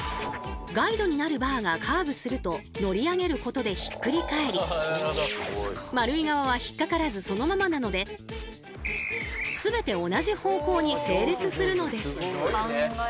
ガイドになるバーがカーブすると乗り上げることでひっくり返り丸い側は引っ掛からずそのままなのでそう！